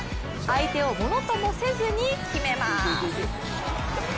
相手をものともせずに決めます。